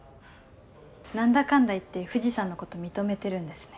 何だかんだ言って藤さんのこと認めてるんですね。